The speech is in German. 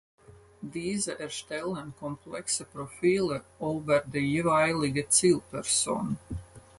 Diese erstellen komplexe Profile über die jeweilige Zielperson.